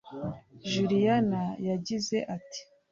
Juliana yagize ati